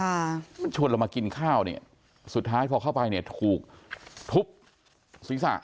ค่ะมันชวนเรามากินข้าวเนี่ยสุดท้ายพอเข้าไปเนี่ยถูกทุบศีรษะ